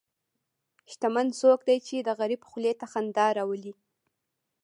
شتمن څوک دی چې د غریب خولې ته خندا راولي.